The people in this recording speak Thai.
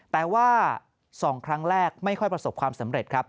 แต่ว่า๒ครั้งแรกไม่ค่อยประสบความสำเร็จครับ